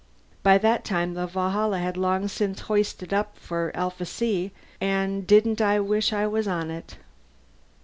By that time the Valhalla had long since hoisted for Alpha C and didn't I wish I was on it!